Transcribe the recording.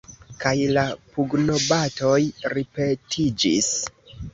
Kaj la pugnobatoj ripetiĝis.